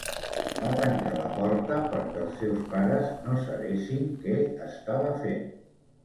Va tancar la porta perquè els seus pares no sabessin què estaven fent.